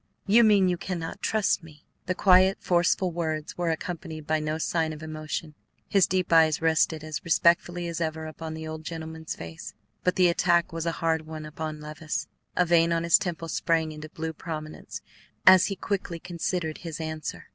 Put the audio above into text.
"You mean you cannot trust me." The quiet, forceful words were accompanied by no sign of emotion. His deep eyes rested as respectfully as ever upon the old gentleman's face. But the attack was a hard one upon Levice. A vein on his temple sprang into blue prominence as he quickly considered his answer.